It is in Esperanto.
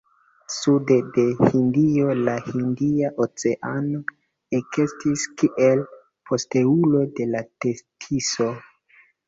Sude de Hindio la Hindia Oceano ekestis kiel posteulo de la Tetiso.